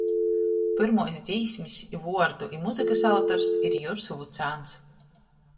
Pyrmuos dzīsmis i vuordu, i muzykys autors ir Jurs Vucāns.